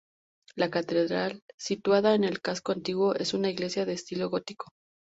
La catedral, situada en el casco antiguo, es una iglesia de estilo gótico.